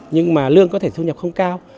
nhưng mà lương có thể thu nhập không cao